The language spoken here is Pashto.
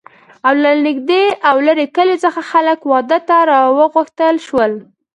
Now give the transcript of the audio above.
له نږدې او لرې کلیو څخه خلک واده ته را وغوښتل شول.